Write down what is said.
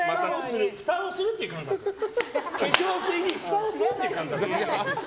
ふたをするという感覚です。